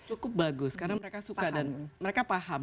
cukup bagus karena mereka suka dan mereka paham